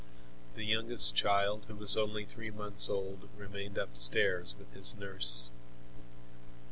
The youngest child, who was only three months old, remained upstairs with his nurse.